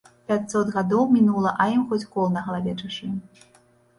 Пяцьсот гадоў мінула, а ім хоць кол на галаве чашы!